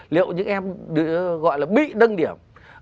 liệu những em gọi là bị đâng điểm